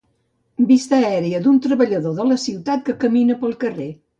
Vista aèria d'un treballador de la ciutat que camina pel carrer.